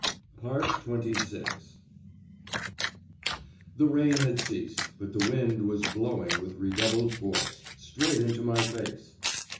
XXVI The rain had ceased, but the wind was blowing with redoubled force straight into my face.